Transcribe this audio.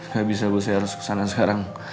gak bisa bu saya harus ke sana sekarang